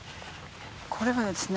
これはですね